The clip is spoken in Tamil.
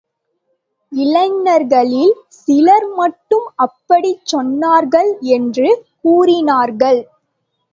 இளைஞர்களில் சிலர் மட்டும் அப்படிச் சொன்னார்கள் என்று கூறினார்கள்.